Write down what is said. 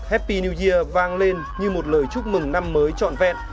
happy new year vang lên như một lời chúc mừng năm mới trọn vẹn